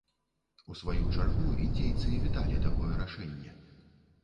У сваю чаргу, індзейцы віталі такое рашэнне.